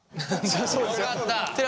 よかった！